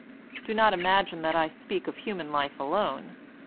Do not imagine that I speak of human life alone.